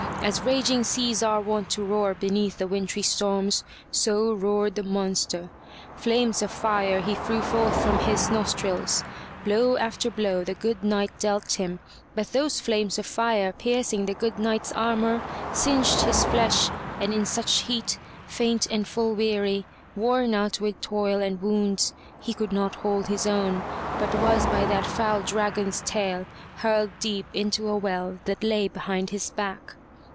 As raging seas are wont to roar beneath the wintry storms, so roared the monster. Flames of fire he threw forth from his nostrils. Blow after blow the good Knight dealt him, but those flames of fire piercing the good Knight's armor, singed his flesh, and in such heat, faint and full weary, worn out with toil and wounds, he could not hold his own, but was by that foul dragon's tail hurled deep into a well that lay behind his back.